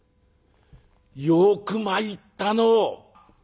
よく参ったのう」。